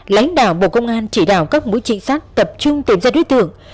lãnh đạo bộ công an chỉ đạo các mũi trinh sát tập trung tìm ra đối tượng